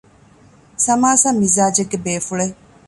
ސަމާސާ މިޒާޖެއްގެ ބޭފުޅެއް